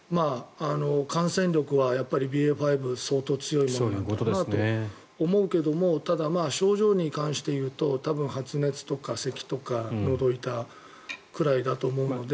感染力はＢＡ．５は相当強いものだと思うけどただ、症状に関して言うと多分、発熱とかせきとかのど痛くらいだと思うので。